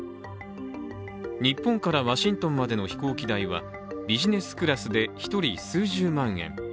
日本からワシントンまでの飛行機代はビジネスクラスで１人数十万円